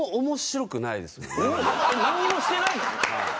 なんにもしてないのに？